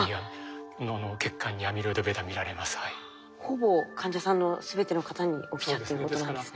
ほぼ患者さんの全ての方に起きちゃってることなんですね。